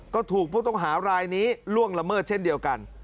ก็ถูกผู้ต้องหารายนี้ล่วงละเมิดเช่นเดียวกัน